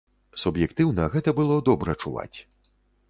Суб'ектыўна, гэта было добра чуваць.